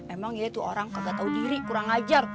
emang iya tuh orang kagak tau diri kurang ajar